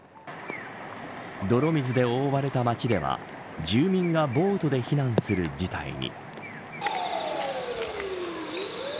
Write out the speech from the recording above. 泥水で覆われた街では住民がボートで避難する事態に。